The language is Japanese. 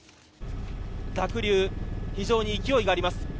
濁流、非常に勢いがあります。